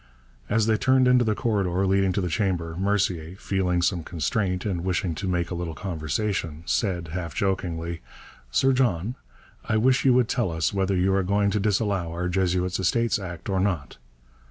As they turned into the corridor leading to the chamber, Mercier, feeling some constraint and wishing to make a little conversation, said, half jokingly, 'Sir John, I wish you would tell us whether you are going to disallow our Jesuits' Estates Act or not.'